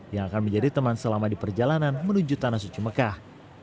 yang akan menjadi teman selama di perjalanan menuju tanah suci mekah